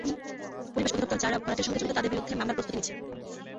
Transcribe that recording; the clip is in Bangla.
পরিবেশ অধিদপ্তর যাঁরা ভরাটের সঙ্গে জড়িত তাদের বিরুদ্ধে মামলার প্রস্তুতি নিচ্ছে।